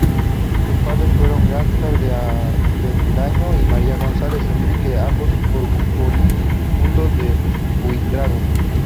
Sus padres fueron Gaspar de Avendaño y María González Enríquez, ambos oriundos de Buitrago.